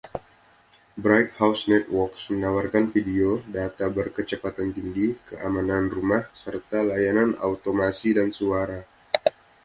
Bright House Networks menawarkan video, data berkecepatan tinggi, keamanan rumah, serta layanan automasi dan suara.